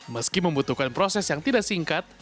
meski membutuhkan proses yang tidak singkat